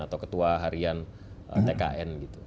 atau ketua harian tkn